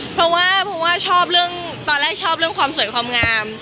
เพราะว่าตอนแรกชอบเรื่องความสวยความงาม